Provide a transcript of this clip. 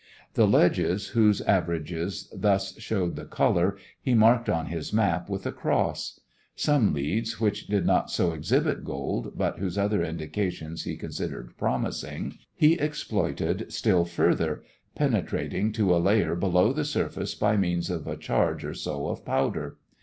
The ledges whose averages thus showed the colour, he marked on his map with a cross. Some leads which did not so exhibit gold, but whose other indications he considered promising, he exploited still further, penetrating to a layer below the surface by means of a charge or so of powder.